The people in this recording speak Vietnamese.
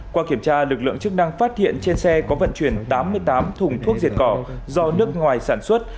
qua kiểm tra lực lượng chức năng phát hiện trên xe có vận chuyển tám mươi tám thùng thuốc diệt cỏ do nước ngoài sản xuất